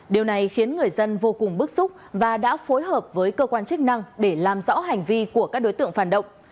điều này khiến người dân vô cùng bức xúc và đã phối hợp với cơ quan chức năng để làm rõ hành vi của các đối tượng phản động